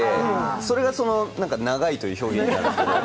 それが長いという表現なんですけど。